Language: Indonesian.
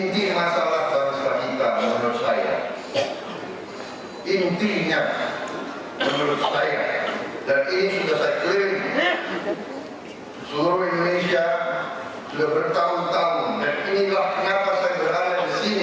dan ini sudah saya klaim seluruh indonesia sudah bertahun tahun dan inilah kenapa saya berada di sini